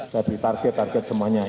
saya di target target semuanya